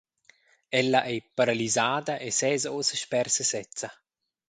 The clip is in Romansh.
Ella ei paralisada e sesa ussa sper sesezza.